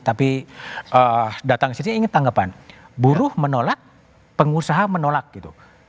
tapi datang ke sini ingin tanggapan buruh menolak pengusaha menolak gitu